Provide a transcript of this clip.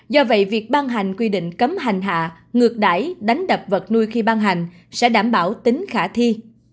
do vậy việc ban hành quy định cấm hành hạ ngược đải đánh đập vật nuôi khi ban hành sẽ đảm bảo tính khả thi